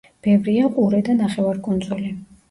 ბევრია ყურე და ნახევარკუნძული.